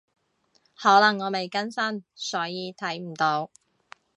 可能我未更新，所以睇唔到